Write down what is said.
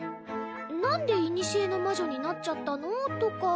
なんで古の魔女になっちゃったの？とか。